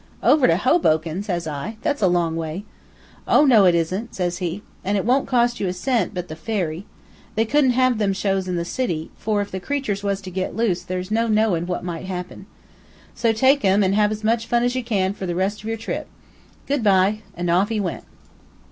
"'Over to Hoboken!' says I; 'that's a long way.' "'Oh no, it isn't,' says he. 'An' it wont cost you a cent, but the ferry. They couldn't have them shows in the city, for, if the creatures was to get loose, there's no knowin' what might happen. So take 'em, an' have as much fun as you can for the rest of your trip. Good bye!' An' off he went.